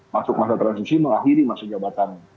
masuk masa transisi mengakhiri masa jabatan